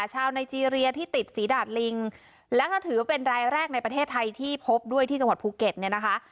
ไนเจรียที่ติดฝีดาดลิงแล้วก็ถือว่าเป็นรายแรกในประเทศไทยที่พบด้วยที่จังหวัดภูเก็ตเนี่ยนะคะ